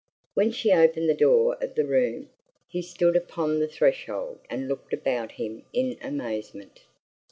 When she opened the door of the room, he stood upon the threshold and looked about him in amazement.